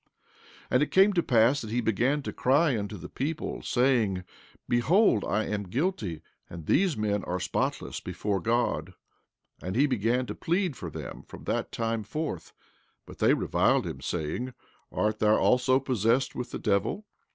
14:7 And it came to pass that he began to cry unto the people, saying: Behold, I am guilty, and these men are spotless before God. And he began to plead for them from that time forth; but they reviled him, saying: Art thou also possessed with the devil?